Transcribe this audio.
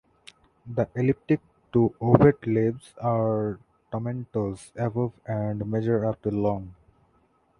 The elliptic to ovate leaves are tomentose above and measure up to long.